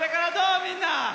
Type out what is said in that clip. みんな。